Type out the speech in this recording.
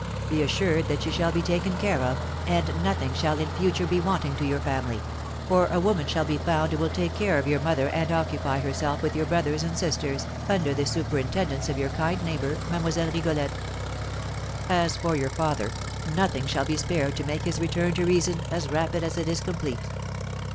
Be assured that she shall be taken care of, and nothing shall in future be wanting to your family, for a woman shall be found who will take care of your mother and occupy herself with your brothers, and sisters, under the superintendence of your kind neighbour, Mlle. Rigolette. As for your father, nothing shall be spared to make his return to reason as rapid as it is complete.